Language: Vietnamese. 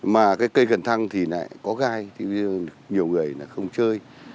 mà cây cần thăng thì có gai nhiều người không chơi